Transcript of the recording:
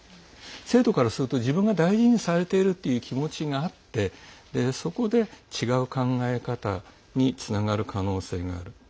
生徒からすると自分が大事にされているという気持ちがあって、そこで違う考え方につながる可能性がある。